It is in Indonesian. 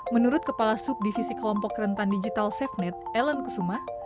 menurut kepala subdivisi kelompok rentan digital safenet ellen kusuma